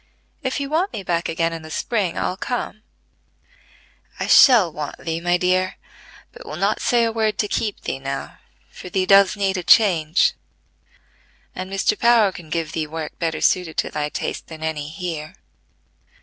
If you want me back again in the spring, I'll come." "I shall want thee, my dear, but will not say a word to keep thee now, for thee does need a change, and Mr. Power can give thee work better suited to thy taste than any here.